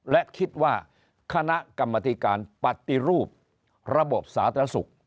และคิดว่าคณะกรรมธิการปฏิรูประบบสาธารณสุข